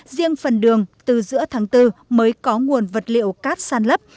riêng phần đường từ giữa tháng bốn mới có nguồn vật liệu cát sàn lấp